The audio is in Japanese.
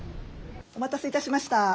お待たせいたしました。